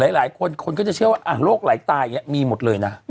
หลายคนคนก็จะเชื่อว่าโรคไหลตายอย่างนี้มีหมดเลยนะ